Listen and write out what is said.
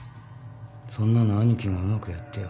そんなの兄貴がうまくやってよ。